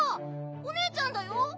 おねえちゃんだよ。